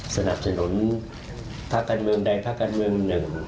สนับสนุนภักดิ์การเมืองใดภักดิ์การเมืองหนึ่ง